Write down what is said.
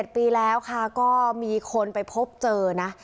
๗ปีแล้วค่ะก็มีคนไปพบเจอนะ